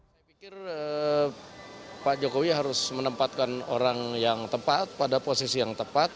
saya pikir pak jokowi harus menempatkan orang yang tepat pada posisi yang tepat